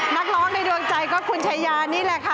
นักร้องในดวงใจก็คุณชายานี่แหละค่ะ